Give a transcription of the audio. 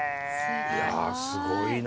いやすごいな。